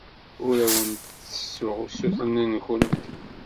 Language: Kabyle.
Ur awent-d-ttessuɣ usuten-nwent.